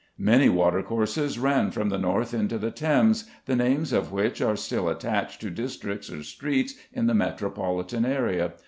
Many watercourses ran from the north into the Thames, the names of which are still attached to districts or streets in the Metropolitan area.